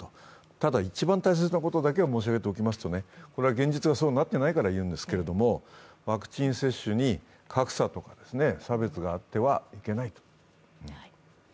ただ、一番大切なことだけを申し上げておきますと、現実がそうなっていないから言うんですけど、ワクチン接種の格差とか差別があってはいけないと。